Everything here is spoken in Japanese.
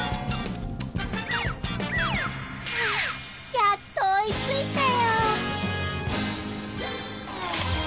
やっと追いついたよ！